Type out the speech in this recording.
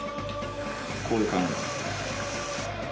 こういう感じです。